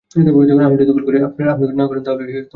আমি যদি গোল করি আর আপনি না করেন তাহলে এটা অপমান হবে।